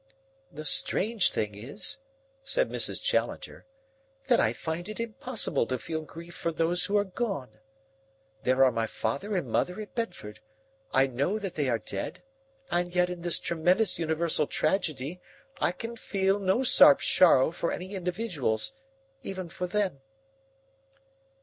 "The strange thing is," said Mrs. Challenger, "that I find it impossible to feel grief for those who are gone. There are my father and mother at Bedford. I know that they are dead, and yet in this tremendous universal tragedy I can feel no sharp sorrow for any individuals, even for them."